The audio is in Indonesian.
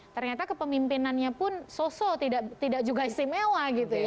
ternyata kepemimpinannya pun sosok tidak juga isimewa